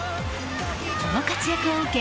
この活躍を受け